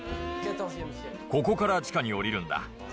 ここから地下に下りるんだ。